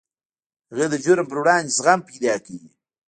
هغه د جرم پر وړاندې زغم پیدا کوي